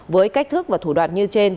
với cách thức và thủ đoạn như trên